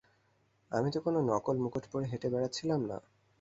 আমি তো কোনো নকল মুকুট পরে হেঁটে বেড়াচ্ছিলাম না।